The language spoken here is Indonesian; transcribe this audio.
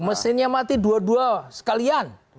mesinnya mati dua dua sekalian